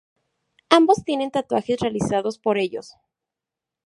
Ambos tienen tatuajes realizados por ellos.